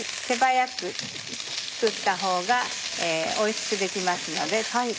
手早く作ったほうがおいしくできますので。